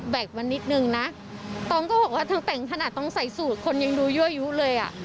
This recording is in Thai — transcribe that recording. แต่มีเงินจบลงสันแสนบาทต้องที่จะคืนราชกร